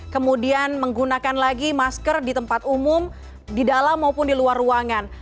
kemudian menggunakan lagi masker di tempat umum di dalam maupun di luar ruangan